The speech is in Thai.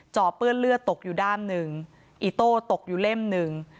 เปื้อนเลือดตกอยู่ด้ามหนึ่งอีโต้ตกอยู่เล่มหนึ่ง